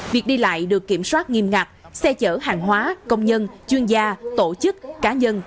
việc đi lại được kiểm soát nghiêm ngặt xe chở hàng hóa công nhân chuyên gia tổ chức cá nhân